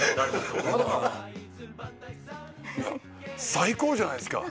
最高じゃないですか。